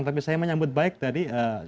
tapi saya menyambut baik tadi